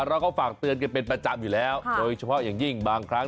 เราก็ฝากเตือนกันเป็นประจำอยู่แล้วโดยเฉพาะอย่างยิ่งบางครั้ง